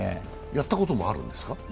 やったこともあるんですか？